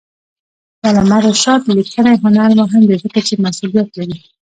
د علامه رشاد لیکنی هنر مهم دی ځکه چې مسئولیت لري.